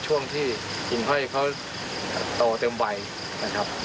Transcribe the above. คุณมาก